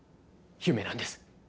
夢なんです。